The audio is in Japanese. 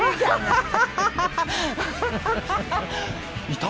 いた？